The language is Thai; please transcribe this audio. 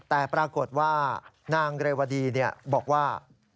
แต่ปรากฏว่านางเรวดีบอกว่า